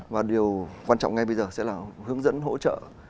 và điều quan trọng ngay bây giờ sẽ là hướng dẫn hỗ trợ